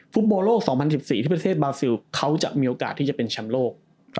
ฟุตบอลโลก๒๐๑๔ที่ประเทศบาซิลเขาจะมีโอกาสที่จะเป็นแชมป์โลก